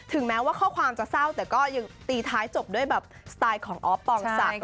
แม้ว่าข้อความจะเศร้าแต่ก็ยังตีท้ายจบด้วยแบบสไตล์ของออฟปองศักดิ